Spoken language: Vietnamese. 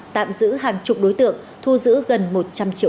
tạm giữ hàng chục đối tượng thu giữ gần một trăm linh triệu